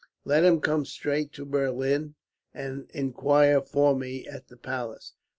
Let him come straight to Berlin, and inquire for me at the palace.